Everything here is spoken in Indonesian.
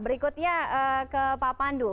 berikutnya ke pak pandu